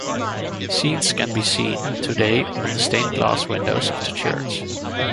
Scenes can be seen today on the stained glass windows of the church.